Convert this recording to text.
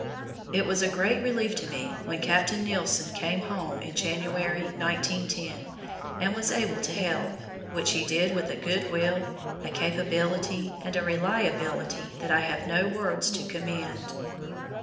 It was a great relief to me when Captain Nilsen came home in January, 1910, and was able to help which he did with a good will, a capability, and a reliability that I have no words to commend.